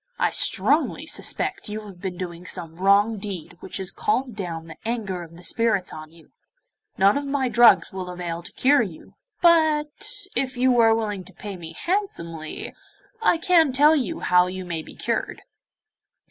I strongly suspect you have been doing some wrong deed which has called down the anger of the spirits on you. None of my drugs will avail to cure you, but, if you are willing to pay me handsomely, I can tell you how you may be cured.